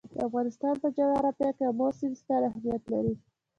د افغانستان په جغرافیه کې آمو سیند ستر اهمیت لري.